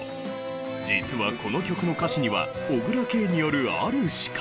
実はこの曲の歌詞には小椋佳によるある仕掛けが。